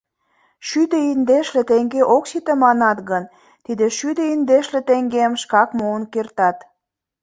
Шӱдӧ индешле теҥге ок сите манат гын, тиде шӱдӧ индешле теҥгем шкак муын кертат...